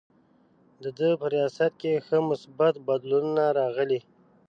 د ده په ریاست کې ښه مثبت بدلونونه راغلي.